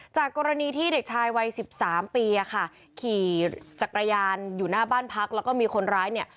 จากกรณีที่เด็กชายวัย๑๓ปีขี่จักรยานอยู่หน้าบ้านพักและก็มีคนร้ายนี่